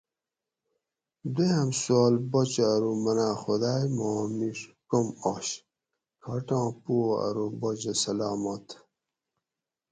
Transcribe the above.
دویاۤم سوال باچہ ارو مناۤں خدائے ما میڛ کم آش؟ کھاٹاں پو ارو باچہ سلامات